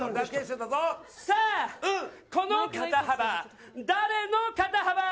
さあ、この肩幅、誰の肩幅。